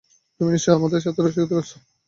তুমি নিশ্চয়ই আমার সাথে রসিকতা করছ!